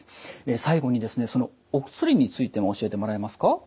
最後にお薬についても教えてもらえますか？